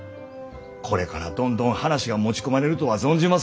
これからどんどん話が持ち込まれるとは存じます